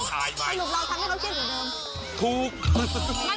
สนุกเราทำให้เขาเครียดอยู่เดิม